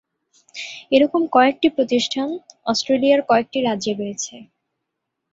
এরকম কয়েকটি প্রতিষ্ঠান অস্ট্রেলিয়ার কয়েকটি রাজ্যে রয়েছে।